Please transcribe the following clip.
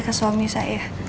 ke suami saya